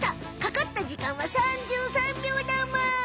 かかったじかんは３３秒だむ。